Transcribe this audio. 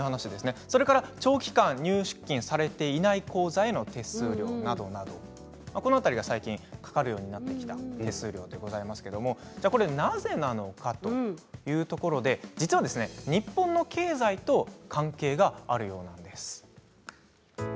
長期間入出金されていない口座への手数料などなどこの辺りが最近かかるようになってきた手数料でございますけれどもなぜなのかというところで実は、日本の経済と関係があるようなんです。